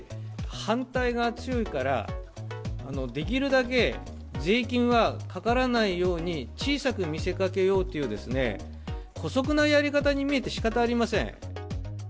反対が強いから、できるだけ税金はかからないように、小さく見せかけようというこそくなやり方に見えてしかたありませ